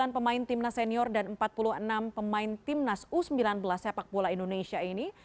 sembilan pemain timnas senior dan empat puluh enam pemain timnas u sembilan belas sepak bola indonesia ini